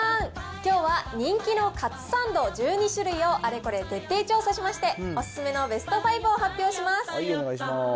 きょうは、人気のカツサンド１２種類をあれこれ徹底調査しまして、お勧めのベスト５を発表します。